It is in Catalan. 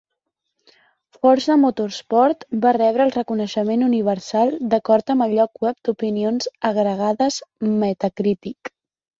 "Forza Motorsport" va rebre el "reconeixement universal" d'acord amb el lloc web d'opinions agregades Metacritic.